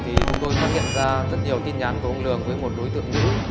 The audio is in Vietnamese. thì chúng tôi phát hiện ra rất nhiều tin nhắn của ông lường với một đối tượng nữ